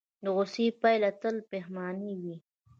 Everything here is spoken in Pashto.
د غوسې پایله تل پښیماني وي.